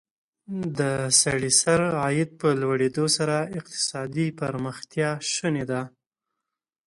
د سړي سر عاید په لوړېدو سره اقتصادي پرمختیا شونې ده.